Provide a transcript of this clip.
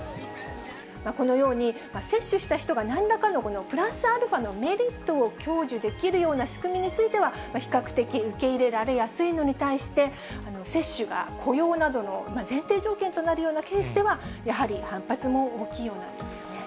このように、接種した人がなんらかのプラスアルファのメリットを享受できるような仕組みについては、比較的受け入れられやすいのに対して、接種が雇用などの前提条件となるようなケースでは、やはり反発も大きいようなんですよね。